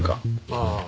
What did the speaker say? ああ。